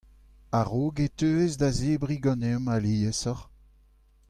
a-raok e teues da zebriñ ganeomp aliesoc'h.